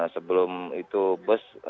sebelum itu bus